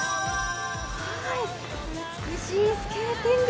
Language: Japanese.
美しいスケーティング。